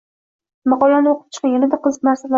Maqolani oʻqib chiqing, yanada qiziq narsalar bor.